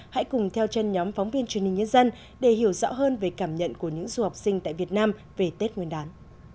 hãy cùng theo chân nhóm phóng viên truyền hình nhân dân để hiểu rõ hơn về cảm nhận của những du học sinh tại việt nam về tết nguyên đán